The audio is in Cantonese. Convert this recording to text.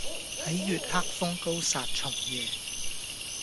係月黑風高殺蟲夜